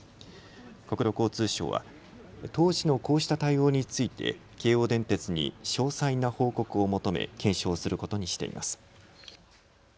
国土交通省は、当時のこうした対応について京王電鉄に詳細な報告を求め、検証することにしています。